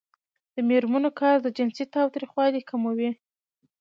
د میرمنو کار د جنسي تاوتریخوالي کموي.